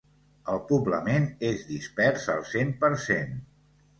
El poblament és dispers al cent per cent.